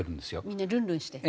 みんなルンルンして？